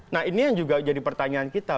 nah ini yang juga jadi pertanyaan kita